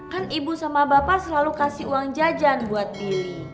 kan ibu sama bapak selalu kasih uang jajan buat billy